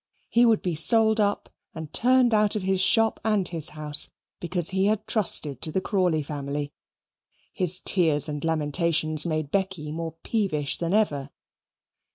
He would be sold up and turned out of his shop and his house, because he had trusted to the Crawley family. His tears and lamentations made Becky more peevish than ever.